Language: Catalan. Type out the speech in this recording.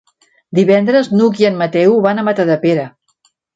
Divendres n'Hug i en Mateu van a Matadepera.